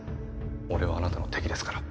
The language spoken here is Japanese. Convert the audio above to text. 俺はあなたの敵ですから。